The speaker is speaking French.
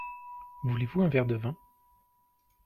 Voulez-vous un verre de vin ?